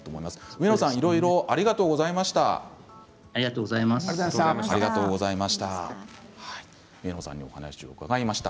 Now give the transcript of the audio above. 上野さんありがとうございました。